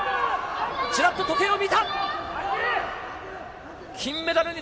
ちらっと時計を見た。